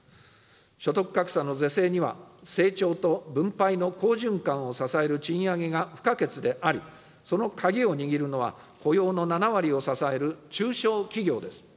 所得格差の是正には、成長と分配の好循環を支える賃上げが不可欠であり、その鍵を握るのは雇用の７割を支える中小企業です。